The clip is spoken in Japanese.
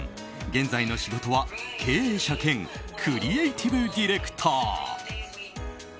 現在の仕事は、経営者兼クリエーティブディレクター。